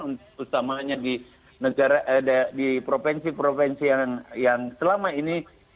utamanya di provinsi provinsi yang selama ini